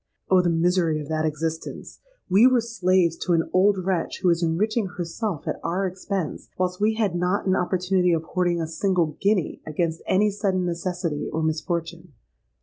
Oh! the misery of that existence! We were slaves to an old wretch who was enriching herself at our expense, whilst we had not an opportunity of hoarding a single guinea against any sudden necessity or misfortune.